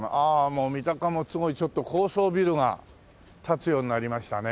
もう三鷹もすごい高層ビルが建つようになりましたね。